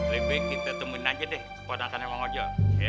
lebih kita temuin aja deh kepanasannya bang ojo